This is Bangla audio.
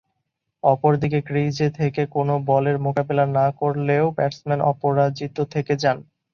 অপরদিকে ক্রিজে থেকে কোন বলের মোকাবেলা না করলেও ব্যাটসম্যান অপরাজিত থেকে যান।